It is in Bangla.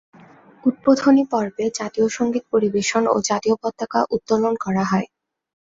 উদ্বোধনী পর্বে জাতীয় সংগীত পরিবেশন ও জাতীয় পতাকা উত্তোলন করা হয়।